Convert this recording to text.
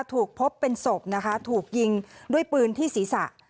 ถูกพบเป็นศพนะคะถูกยิงด้วยปืนที่ศีรษะ